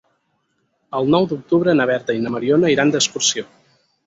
El nou d'octubre na Berta i na Mariona iran d'excursió.